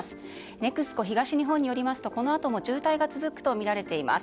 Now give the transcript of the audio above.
ＮＥＸＣＯ東日本によりますとこのあとも渋滞が続くとみられています。